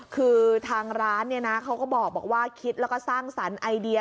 คือทางร้านเนี่ยนะเขาก็บอกว่าคิดแล้วก็สร้างสรรค์ไอเดีย